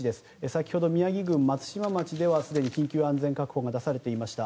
先ほど宮城郡松島町ではすでに緊急安全確保が出されていました。